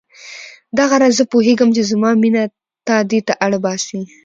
دغه راز زه پوهېږم چې زما مینه تا دې ته اړ باسي.